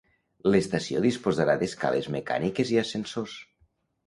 L'estació disposarà d'escales mecàniques i ascensors.